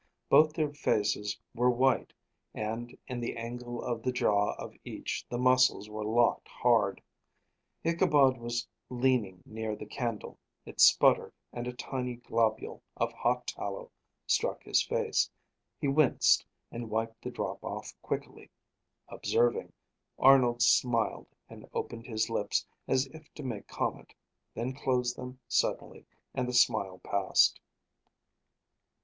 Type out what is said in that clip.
Both their faces were white, and in the angle of the jaw of each the muscles were locked hard. Ichabod was leaning near the candle. It sputtered and a tiny globule of hot tallow struck his face. He winced and wiped the drop off quickly. Observing, Arnold smiled and opened his lips as if to make comment; then closed them suddenly, and the smile passed.